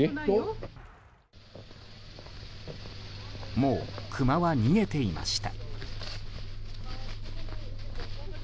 もうクマは逃げていました。